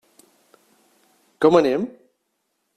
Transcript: Com anem?